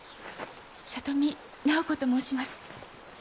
里見菜穂子と申します。